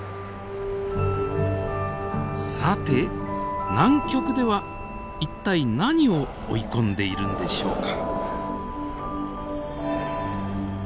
さて南極では一体何を追い込んでいるんでしょうか。